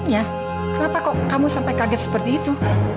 ya kenapa kok kamu sampai kaget seperti itu